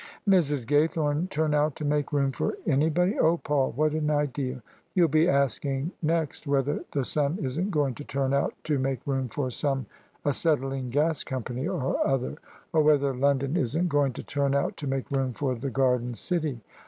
" Mrs. Gaythome turn out to make room for anybody? Oh, Paid, what an idea! You'll be asking next whether the sun isn't going to turn out to make room for some acetylene gas company or other: or whether London isn't going to turn out to make room for the garden city."